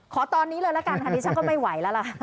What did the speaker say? ขอตอนนี้เลยละกันค่ะดิฉันก็ไม่ไหวแล้วล่ะ